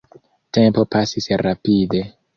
Tempo pasis rapide.